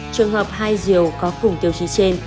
trường hợp hai diều có cùng tiêu chí trên